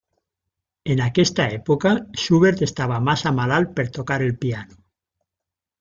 En aquesta època, Schubert estava massa malalt per tocar el piano.